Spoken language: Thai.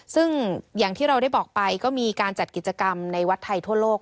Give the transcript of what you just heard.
ซึ่งอย่างที่เราได้บอกไปก็มีการจัดกิจกรรมในวัดไทยทั่วโลก